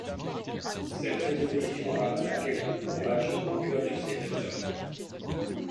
Cette résolution ramena quelque courage au cœur de ces deux hommes.